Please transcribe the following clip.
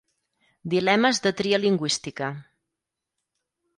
Dilemes de tria lingüística.